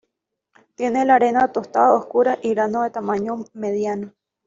Tiene la arena tostada oscura y grano de tamaño mediano.